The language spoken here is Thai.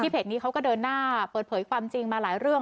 เพจนี้เขาก็เดินหน้าเปิดเผยความจริงมาหลายเรื่อง